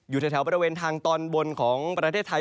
อยู่แถวบริเวณทางตอนบนของประเทศไทย